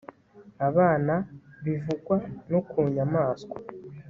abana; bivugwa no ku nyamaswa